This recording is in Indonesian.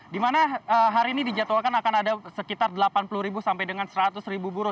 di mana hari ini dijadwalkan akan ada sekitar delapan puluh sampai dengan seratus buruh